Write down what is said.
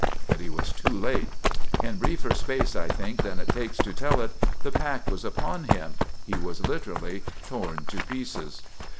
"But he was too late! In briefer space, I think, than it takes to tell it, the pack was upon him. He was literally torn to pieces.